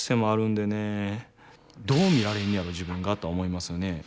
どう見られんねやろ自分がとは思いますよね。